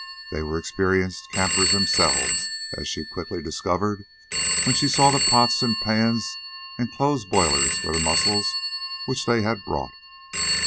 They were experienced campers themselves, as she quickly discovered when she saw the pots and pans and clothes boilers for the mussels which they had brought.